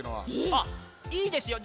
あっいいですよ。